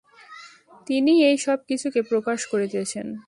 তিনিই এই সব কিছুকে প্রকাশ করিতেছেন।